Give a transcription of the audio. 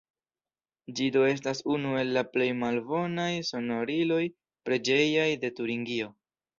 Ĝi do estas unu el la plej malnovaj sonoriloj preĝejaj de Turingio.